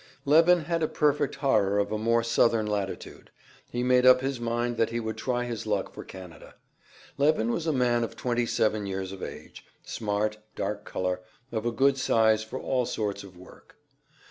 Levin had a perfect horror of a more Southern latitude; he made up his mind that he would try his luck for Canada. Levin was a man of twenty seven years of age, smart, dark color, and of a good size for all sorts of work.